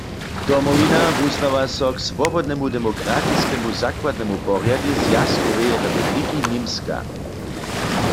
Domowina wuznawa so k swobodnemu demokratiskemu zakładnemu porjadej Zwjazkoweje republiki Němska.